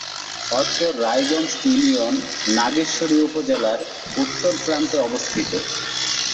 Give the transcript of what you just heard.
অত্র রায়গঞ্জ ইউনিয়ন নাগেশ্বরী উপজেলার উত্তর প্রান্তে অবস্থিত।